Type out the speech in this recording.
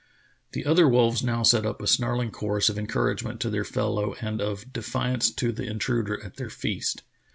The other wolves now set up a snarling chorus of encouragement to their fellow and of defiance to the intruder at their feast.